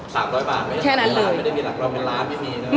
๓๐๐บาทไม่ได้มีหลักรอบเป็นร้านไม่มีเนอะใช่ไหม